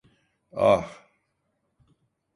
Aah!